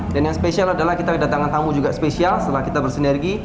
dan yang spesial adalah kita datangkan tamu juga spesial setelah kita bersinergi